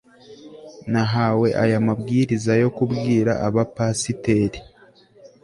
Nahawe aya mabwiriza yo kubwira abapasiteri